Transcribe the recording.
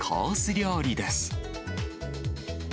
料理です。